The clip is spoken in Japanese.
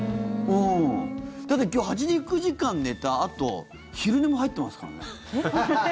だって、今日８９時間寝たあと昼寝も入ってますからね。